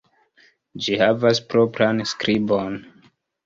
Ĝi havas propran skribon.